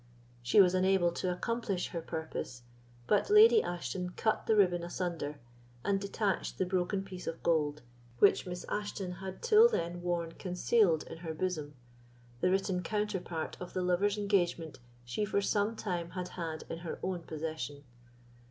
She was unable to accomplish her purpose, but Lady Ashton cut the ribbon asunder, and detached the broken piece of gold, which Miss Ashton had till then worn concealed in her bosom; the written counterpart of the lovers' engagement she for some time had had in her own possession.